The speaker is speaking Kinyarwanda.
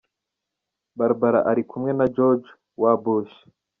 Barbara ari kumwe na George W Bush.